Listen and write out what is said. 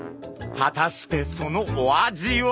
果たしてそのお味は？